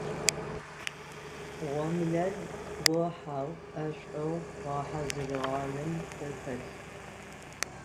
Гъомылэр гохьэу, ӏэшӏоу гъэхьазырыгъэным бэ хэлъ.